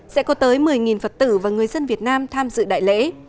sẽ có tới một mươi phật tử và người dân việt nam tham dự đại lễ